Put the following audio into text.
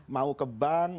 mau ke bank